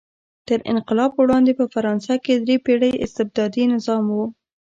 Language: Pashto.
تر انقلاب وړاندې په فرانسه کې درې پېړۍ استبدادي نظام و.